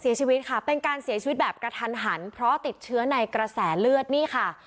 เสียชีวิตค่ะเป็นการเสียชีวิตแบบกระทันหันเพราะติดเชื้อในกระแสเลือดนี่ค่ะ